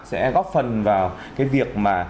sẽ góp phần vào cái việc mà